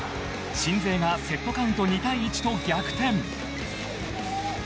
鎮西がセットカウント２対１と逆転。